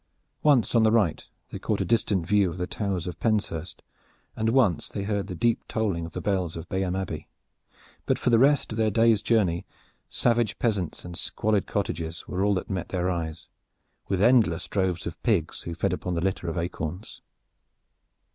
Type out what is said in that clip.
Once on the right they caught a distant view of the Towers of Penshurst, and once they heard the deep tolling of the bells of Bayham Abbey, but for the rest of their day's journey savage peasants and squalid cottages were all that met their eyes, with endless droves of pigs who fed upon the litter of acorns.